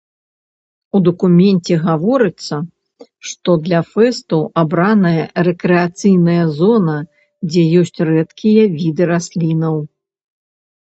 У дакуменце гаворыцца, што для фэсту абраная рэкрэацыйная зона, дзе ёсць рэдкія віды раслінаў.